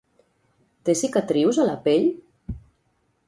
Té cicatrius a la pell?